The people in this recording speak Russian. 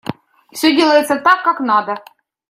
Все делается так, как надо.